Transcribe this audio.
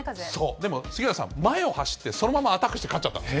でも杉浦さん、前を走って、そのままアタックして勝っちゃった。